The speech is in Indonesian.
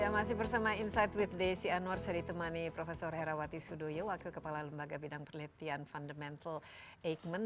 masih bersama insight with desi anwar saya ditemani prof herawati sudoyo wakil kepala lembaga bidang penelitian fundamental eijkman